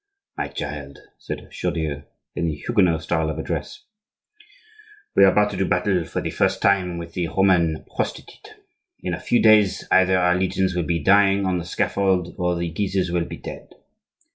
"My child," said Chaudieu, in the Huguenot style of address, "we are about to do battle for the first time with the Roman prostitute. In a few days either our legions will be dying on the scaffold, or the Guises will be dead.